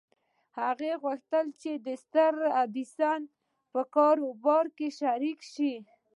هغه غوښتل د ستر ايډېسن په کاروبار کې شريک شي.